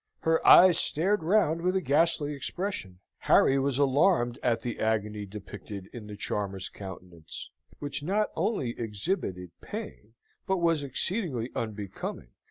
Her eyes stared round with a ghastly expression. Harry was alarmed at the agony depicted in the charmer's countenance; which not only exhibited pain, but was exceedingly unbecoming.